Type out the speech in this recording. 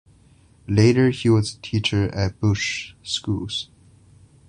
Later he was a teacher at bush schools.